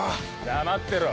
黙ってろ。